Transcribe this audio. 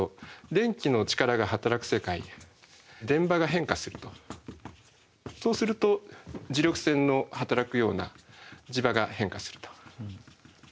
電気の力が働く世界電場が変化するとそうすると磁力線の働くような磁場が変化すると。